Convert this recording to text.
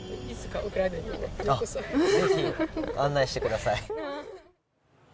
ぜひ案内してください。